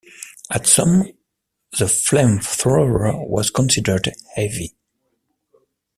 At some the flamethrower was considered heavy.